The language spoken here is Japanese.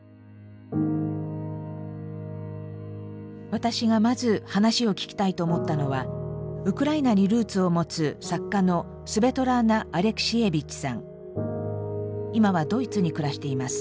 私がまず話を聞きたいと思ったのはウクライナにルーツを持つ今はドイツに暮らしています。